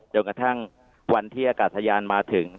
จนกระทั่งวันที่อากาศยานมาถึง